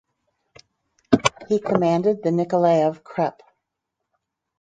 He commanded the Nikolaev crepe.